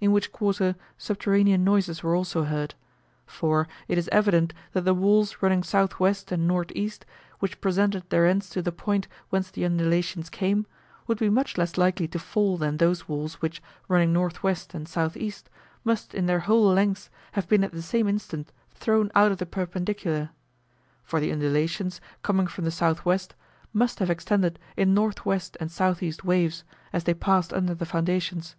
in which quarter subterranean noises were also heard; for it is evident that the walls running S.W. and N.E. which presented their ends to the point whence the undulations came, would be much less likely to fall than those walls which, running N.W. and S.E., must in their whole lengths have been at the same instant thrown out of the perpendicular; for the undulations, coming from the S.W., must have extended in N.W. and S.E. waves, as they passed under the foundations.